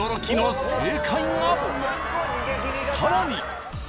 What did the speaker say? ［さらに］